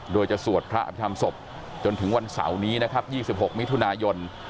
โดยจะสวดพระอภิษฐรรมศพจนถึงวันเสาร์นี้นะครับ๒๖มิถุนายน